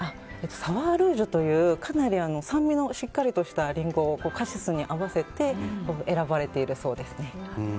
サワールージュというかなり酸味のしっかりしたリンゴをカシスに合わせて選ばれているそうです。